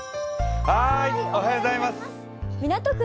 港区